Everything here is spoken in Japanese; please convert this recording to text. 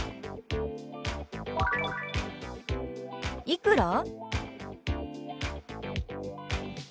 「いくら？」。